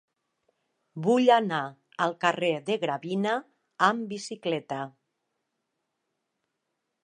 Vull anar al carrer de Gravina amb bicicleta.